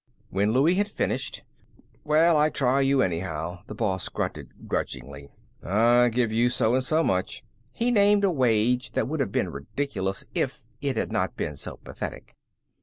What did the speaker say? When Louie had finished "Well, I try you, anyhow," the boss grunted, grudgingly. "I give you so and so much." He named a wage that would have been ridiculous if it had not been so pathetic.